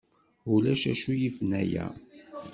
Ulac acu yifen aya.